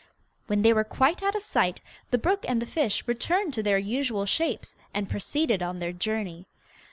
When they were quite out of sight, the brook and the fish returned to their usual shapes and proceeded on their journey.